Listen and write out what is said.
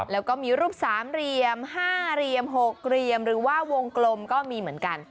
แล้วก็มีรูปสามเรียมห้าเรียมหกเรียมหรือว่าวงกลมก็มีเหมือนกัน